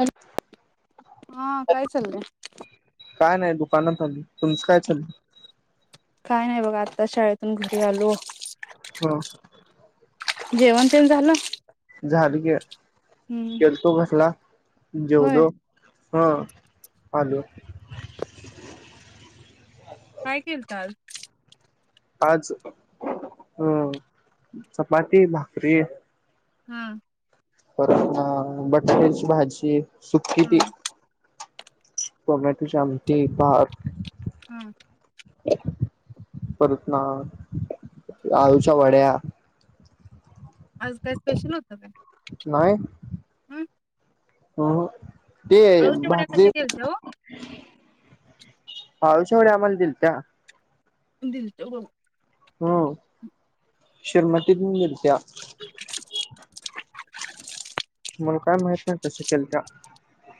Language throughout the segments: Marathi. हॅलो हा काय चाललंय काय नाही दुकानात आली तुमचं काय चाल काय नाही बघा आता शाळेतून घरी आलो हा जेवण ते झालं झालं की हम्म केलतो कसला होय जेवलो हा पालू काय केलतं आज आज अ चपाती भाकरी हम [inaudible] बटाट्याची भाजी हा [inaudible] टोमॅटोची आमटी भात [inaudible] परत ना आळुच्या वड्या आज काय स्पेशल होतं नाहीय हम् ह ह ते [inaudible] आळूच्या वड्या कशा केलत्या ओ अळूच्या वड्या आम्हाला दिलत्या दिलतो बघ हम् [inaudible] [inaudible] मला काय माहित नाही कस केलत्या,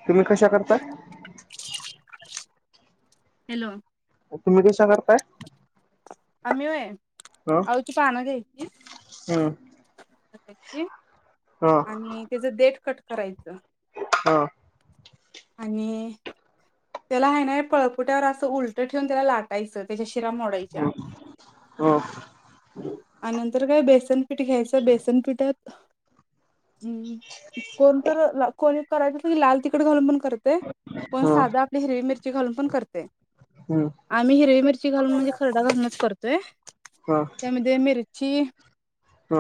तुम्ही कस करताय..? हॅलो तुम्ही कशा करताय आम्ही व्हय आळुची पानं घ्याच हम [inaudible] आणि त्याच देट कट करायचं हा आणि त्याला आहे ना पळपुट्यावर असं उलटं ठेवून त्याला लाटायचं [inaudible] शीरा मोडयच्या त्यात आणि नंतर काय बेसनपीठ घ्यायचं, बेसनपीठात कोणतर रा कोणीत करायला असलं की लाल तिखट घालून पण करतय पण साधा हिरी मिरची घालून पण करते. आम्ही हिरवी मिरची घालून म्हणजे खरडा घालूनच कर ते त्यामध्ये मिरची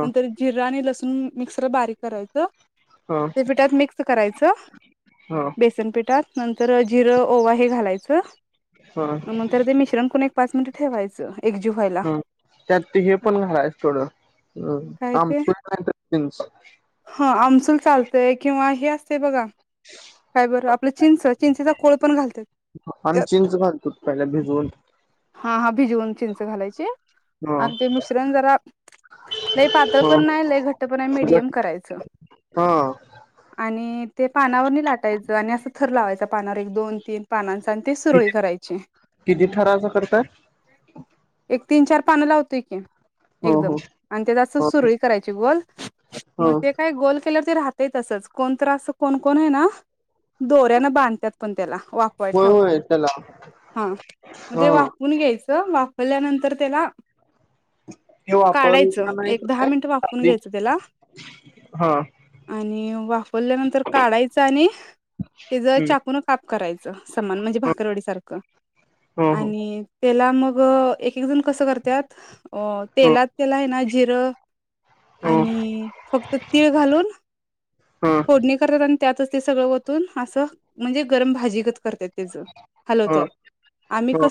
नंतर जिरा आणि लसू मी मिक्स जर बारीक करायचं ते पिठात मिक्स करायचं बेसन पिठात नंतर जिरं ओवा हे घालाय चं. म नंतर ते मिश्रण कुणी पाच मिनिट ठेवायचं. एकजीव व्हायला हं त्यात ते हे पण घालायच थोड काय आमचुर [unintelligible] ह आमसूल चालतय किंवा हे असंय बघा काय बर आपलं चिंच चिंच आम्ही चिंच घालतो. पहिला भिजवून हा हा भिजवून चिंच घालायची. ह आणि ते मिश्रण जरा लय पातळ ह पण नाही लय घट्ट पण नाही मिडियम करायचं हा आणि ते पानावरनी लाटायचं आणि असं थर लावायचा. पानावऱ एक दोन तीन पानांचा आणि ती सुरळी करायची. रायच करताय. एक तीन चार पानं लावतोय की, हो हो एकदम आणि त्यात अस ह सुरूळी करायची गोल ह मग ते काय गोल केल्यावर ते राहतय तसंच कोण तरं अस कोण कोण आहे ना दोऱ्यान बांधत्यात पण त्याला वाफवायला होय होय ठेवताना त्याला हा म ह ते वाफुन घ्यायचं. वाफावल्यानंतर त्याला ते काढायचं वापरला नाही एक दहा काय मिनट वाफवून आधी घ्यायचं त्याला हा आणि वाफ उकोलल्यानंतर काढायचं आणि त्याच हम् चाकून काप करायचं समान म्हणजे भाकरवाडी सारखं हो हो आणि त्याला मग एक एक जण कसं करतात अ हो तेलात त्याला आहे ना जिरं हो आणि फक्त तीळ घालून ह फोडणी कर त्यातच ते सगळं वतून असं म्हणजे गरम भाजीच करतेात हलत ह ह आ क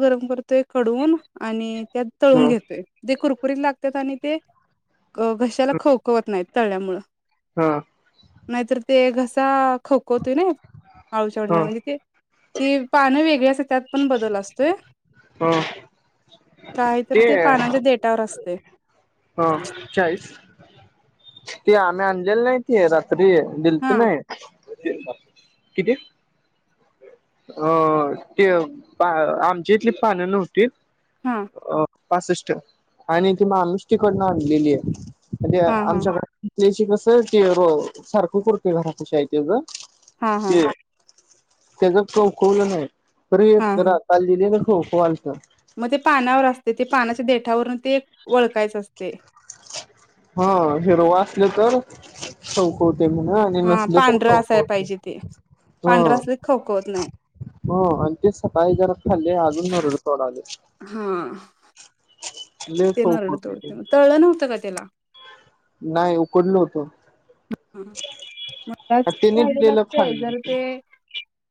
गरम करतोय खडवून आणि त्यात तळून ह घेतोय तेे कुरकुरीत लागतात आणि ते घशाला खवकवत नाहीत तळल्यामु नाहीत ते घसा खोकवतय ना पाऊषडनं ह म्हणजे ते ती पानं वेगळी अस त्यात पण बदल असतोय ह ह काहीतरी ते पानाच्या देटावर असत ते ह चाळीस ते आम्ही आणलेली नाहीती रात फ्री दिल्ती हा नाही किती अ ते आमची इतली पानं नव्हतीत हा पासष्ट आणि ती मा माणुसतीकडून आणलेली आहे म्हणजे हा हा आमच्याक कस ते सारखं करतोय घरापाशी आहे त्याचं हा हा त्याच टवकल नाही तरी हा हा जरा चाललेली हो कॉल कर मग ते पानावर असते ते पानाच्या देठावरून ते व ओळखयचं असतय हा हिरव असल तर खवखवतय हा पांढरं असायला पाहिजे ते पांढरं हा असले की खवकवत नाही हो आणि ते सकाळी जरा खाल्ले अजून नरड तोडालय हा लय ते खाऊ नरड होते ते तोडते मग तळलं नव्हतं का त्याला नाही उकडल होतो मलाच त्याने राहि दिलेलं लागतय जर खाल्लं ते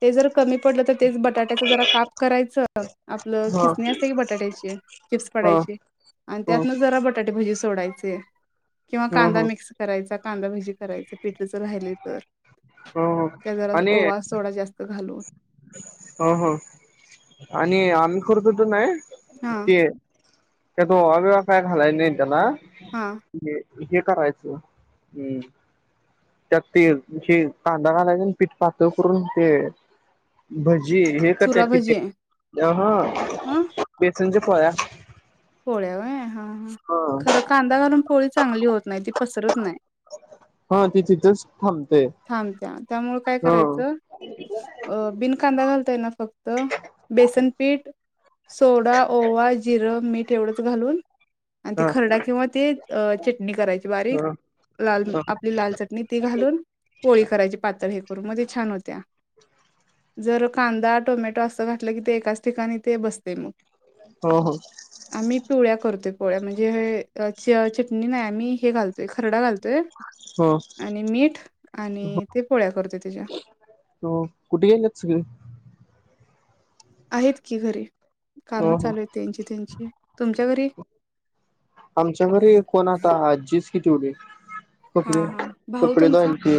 ते जर कमी पडलं तर तेच बटाट्याच जरा काप करायचं आपलं हा किसणी असते की बटाट्याची चिप्स हा पडायची आणि ह त्यातन जरा बटाटेभजी सोडायच ते किंवा ह कांदा ह मिक्स करायचा कांदा भजी करायच पिठ जर राहिले तर ह ह त्या जरा आणि ओवा थोडा जास्त घालून ह ह आणि आम्ही करतोय नाही हा ते त्यात ओवा बिवा काय घालाय नाही त्यांन हा हे करायचं हम्म त्यात तेे कांदा कांदा पीठ पातळ करून ते भज जी हे करताय किथ चुराभजी ह ह तिजपया पोळ्या व हा हा खरं कांदा घून पोळी चांगली होत नाही त पसरत नाही हा तिथेचच थांबत्या त्यामुळे काय हो करायचं अ बिन कांदा घालत तेन फक्त बेसनपीठ सोडा ओवा जिर मीठ एवढंच घालून आणि ते हा खरडा किंवा ते अ चटणी करायची बारीक ह लाल हो आपली लाल चटणी ती घालून होळी करायची पात्र हे करू म छान होत्या जर कांदा टोमॅटो असं घातलं की ते एकाच ठिकाणी ते बसते मग हो आम्ही पिवळ्या करतोय पोळ्या म्हणजे हे चटणी नाही आम्ही ालतय खरडालते हो तर आणि मीठ आणि ते पोळ्या करतोय त्याच्या हो कुठे गेल सगळे आहेत की घरी हो कामच हो चालू आहे त्यांची त्यांची तुमच्या घरी आमच्या घरी कोण आताजी हती व देे कपडे हा हा भाऊ कपडे तुमचा धोल ते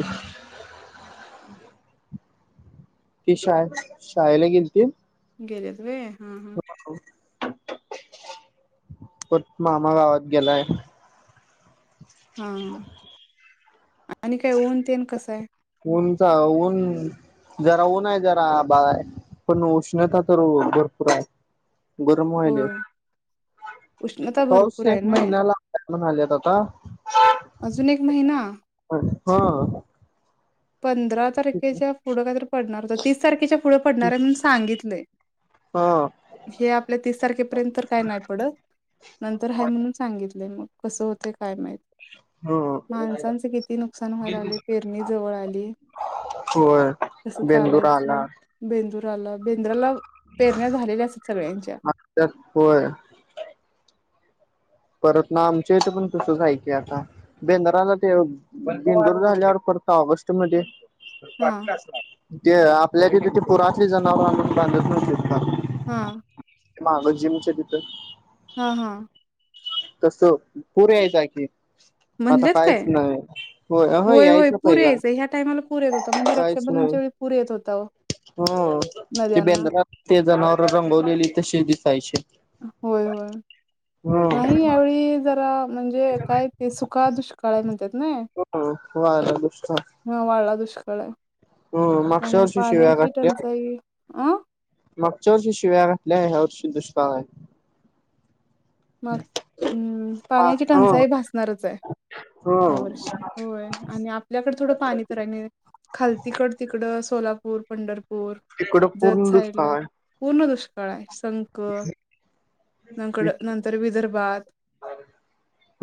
ती शा शाळेला गेलतील घेरते हा हा पत मामा गावात गेलाय [inaudible] हा आणि काय ऊन तेन कसा आहे ऊनचा ऊन जरा ऊन आहे जरा बा पण उष्णता तर भरपूर आहे गरम व्हाले होय उष्णता पाऊस भरपूर आहे एक ना महिना्या ला म्हणा आल्या तता अजून एक महिना हा पंधरा तारखेच्या पुढं काहीतरी पडणार होत तीस तारखेच्या पुढं पडणार आहे म्हणून सांगितलंय हा हे आपल्या तीस तारखेपर्यंत तर काय नाही पडत नंतर ह म्हणून सांगितलंय मग कसं होते काय माहिती ह माणसांचे किती नुकसान व्हायला लागले पेरणी जवळ आले होय बेंदूर आला दूर बेंद्राला पेरण्या झालेल्या असतात सगळ्यांच्या मागतात होय परत ना आमच्या इथे पण तसं जाय क आहे आता बेंदाराला ते बेंदूर झाल्यावर परत ऑगस्ट मध्ये हा ते ल के तिथे पुरातली जनावर म्हणून बांधत नाही शकता हा मगं जिमच्या तिथं हा हा तस पूर यायचा की आता म्हणलेत काहीच काय नाही होय यायचं पूर पहिला यायचं ह्या टायमाला पूर येत होता म्हणजे काहीच नाही रक्षाबंधनच्या वेळी पूर येत होता ओ ह ते नद्यांना बेंद्रा ते जनावर रंगवलेली तशी दिसायची होय होय हम्म नाही याळी जरा म्हणजे काय ते सुका दुष्काळ आहे म्हणतात ना ह ह हा वाळा दुष्काळ [unintelligible] ह मागच्या्या वर्षी शिव्या काट अं मागच्या वर्षी शिवाया घातल्यात दुष्काळ आहे मगम् पाण्याची हो टंचाई भासणारच आहे हो ह वर्षी होय आणि आपल्याकडे थोडं पाणी तर आहे खाल तिकड तिकड सोलापूर होर पंडर इकडं पूर्ण दुष्काळ आहे तळाय संख नकड तर विदर्भात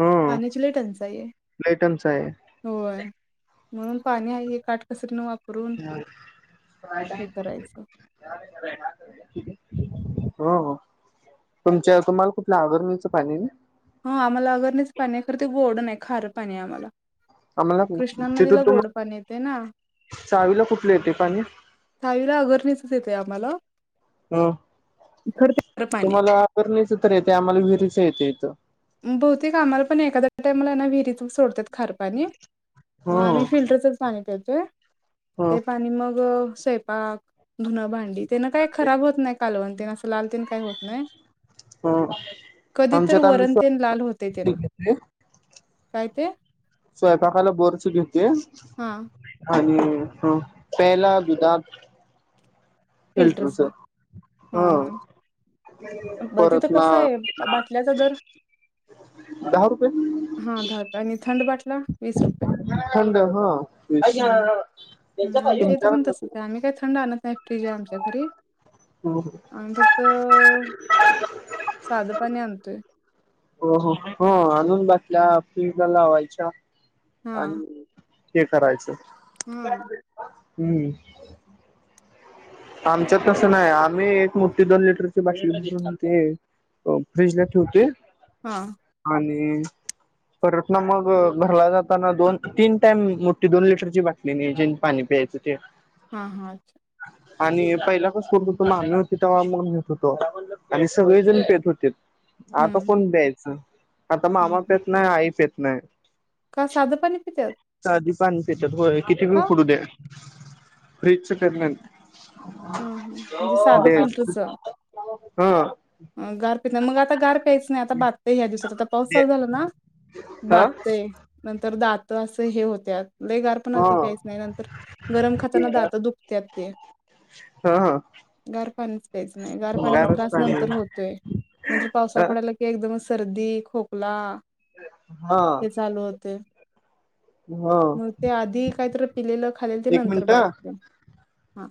हो पाण्याची टंचाई आहे लय टंचाई आहे म्हणून पाणी आहे काटकसर ह करायचं. हो तुमच्या तुम्हाला कुठल्या आवररणीचं पाणी हा आम्हाला अगरनेच पाणी खरं ते गोड नाही खारं पाणी आहे आम्हाला आम्हाला कृष्णा तिथं नदीला तुम गोड पाणी येते ना चावीला कुठलं येते पाणी साईला अगरणीचच येते आप मला हो खार पाणी आहे. तुम्हाला आर नाहीच तर येत आम्हाला विरी येत होत बहुतेक आम्हाला पण एखा्या टाइमलाना विहिरीत सोडतात खारपाणी मग हो आम्ही फिल्टरच का हो ते पाणी मग स्वयंपाक धुनं भांडी तेन काय खराब होत नाही कालवणतीन असं लाल तन काही होत नाही हो कधी तर आमच्यात आम् वरण तेन लाल होते ते ना काय ते स्वयंपाकाला बोरस घेते हा आणि ह पहिला गुदाात फिल्टरच फिल्टरचा हा ब तिथं परत ना कसं आहे बाटल्याचा दर दहा रुपये हा दहा रुपये आणि थंड बाटला वीस रुपये थंड हा हम्म हम्म जे आमच्या घरी हो आणि त्यात साध पाणी आणतोय दोन बातल्या फिजला लावायच्या हा आणि ते करायचं ब हा हम्म आमच्यात कसं नाही आम्ही एक मोठी दोन लिटरची बाट घ ते फ्रीज ला ठेवते हा ह परत ना मग घरला जाताना दोन तीन टाइम मोठी दोन लिटरची बाटली नाही जे पाणी पियचं ते हा हा अच्छा आणि पहिला कस करत होतो माम्मी होती तेव्हा मून घेत होतो आणि सगळेजण पेत होते हम्म आता हम्म कोण द्यायचं आता हम्म मामा प हम्म. येत नाही आई प येत नाही का साधं पाणी पितत पण त्यात किती करू दे फ्रीजच पेत नाहीत ह म्हणजे साधं ते हा अ गार [unintelligible] मग आता गार काहीच नाही आता बातते ह्या दिवसात आता पाऊस दे चालू झाला ना ह बातते नंतर दात तर असं हे होत्यात ल गार ह पाणाती प्यायचं नाही नंतर गरम खाताना दात दुखत्यात ते ह ह गार पाणीच प्यायचं नाही गार पाण्याचा गारच त्रास पाणी नं तर होतोय नंतर पावसा पडायला की एकदमच सर्दी खोकला हा हा हे चालू होते मग ते आधी काहीतरी पिलेलं खालेल ते एक नंतर मिनिट बदते हा